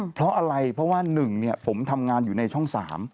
เพราะอะไรเพราะว่า๑ผมทำงานอยู่ในช่อง๓